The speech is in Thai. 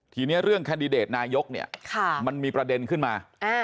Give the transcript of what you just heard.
ทีนี้เรื่องแคนดิเดตนายกเนี่ยมันมีประเด็นขึ้นมา